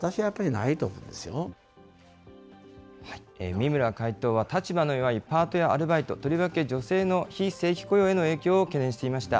三村会頭は、立場の弱いパートやアルバイト、とりわけ女性の非正規雇用への影響を懸念していました。